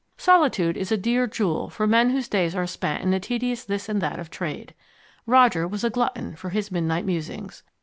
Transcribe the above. Solitude is a dear jewel for men whose days are spent in the tedious this and that of trade. Roger was a glutton for his midnight musings.